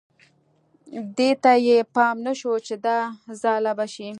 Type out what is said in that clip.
دې ته یې پام نه شو چې دا ځاله به شي.